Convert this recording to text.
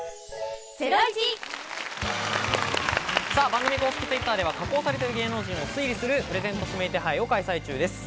番組公式Ｔｗｉｔｔｅｒでは加工されている芸能人を推理するプレゼント指名手配を開催中です。